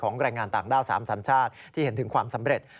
แรงงานต่างด้าว๓สัญชาติที่เห็นถึงความสำเร็จ